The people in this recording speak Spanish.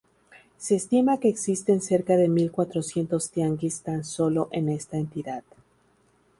Se estima que existen cerca de mil cuatrocientos tianguis tan sólo en esta entidad.